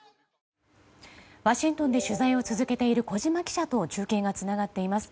ワシントンで取材を続けている小島記者と中継がつながっています。